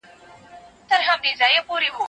استازي به په ټولنه کي عدالت تامین کړي.